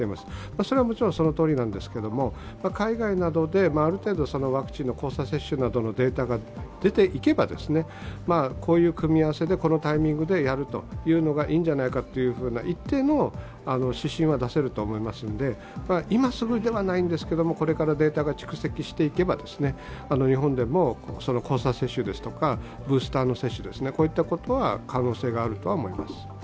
それはもちろんそのとおりなんですけれども、海外などである程度、ワクチンの交差接種などのデータが出てくればこういう組み合わせでこのタイミングでやるのがいいんじゃないかという一定の指針は出せると思いますので、今すぐではないんですけどこれからデータが蓄積していけば日本でも交差接種ですとかブースター接種は可能性があると思います。